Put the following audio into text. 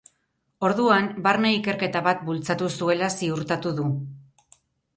Orduan, barne ikerketa bat bultzatu zuela ziurtatu du.